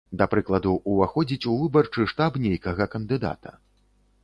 Да прыкладу, уваходзіць у выбарчы штаб нейкага кандыдата.